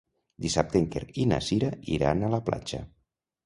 Dissabte en Quer i na Cira iran a la platja.